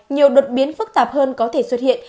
nhiều đột biến phức tạp hơn có thể xuất hiện